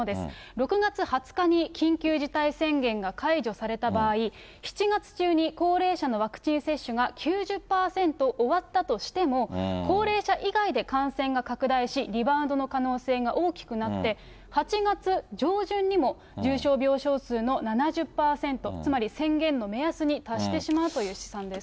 ６月２０日に緊急事態宣言が解除された場合、７月中に、高齢者のワクチン接種が９０％終わったとしても、高齢者以外で感染が拡大し、リバウンドの可能性が大きくなって、８月上旬にも、重症病床数の７０％、つまり宣言の目安に達してしまうという試算です。